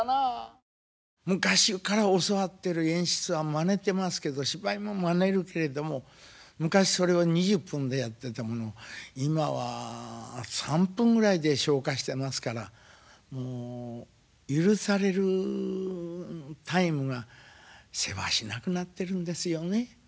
昔から教わってる演出はまねてますけど芝居もまねるけれども昔それを２０分でやってたものを今は３分ぐらいで消化してますからもう許されるタイムがせわしなくなってるんですよね。